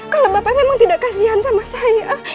kalau bapak memang tidak kasian sama saya